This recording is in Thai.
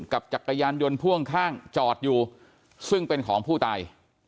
จักรยานยนต์พ่วงข้างจอดอยู่ซึ่งเป็นของผู้ตาย